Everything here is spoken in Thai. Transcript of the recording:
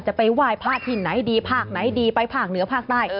จะไปไหว้พระที่ไหนดีภาคไหนดีไปภาคเหนือภาคใต้